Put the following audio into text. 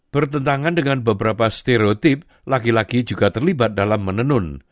bertentangan dengan beberapa stereotip laki laki juga terlibat dalam menenun